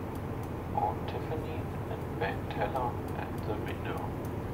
Aunt Tiffany and bank teller at the window.